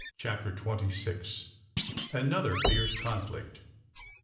CHAPTER TWENTY SIX. ANOTHER FIERCE CONFLICT.